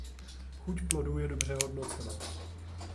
Chuť plodů je dobře hodnocena.